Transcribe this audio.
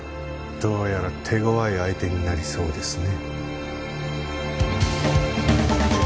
どうやら手ごわい相手になりそうですね。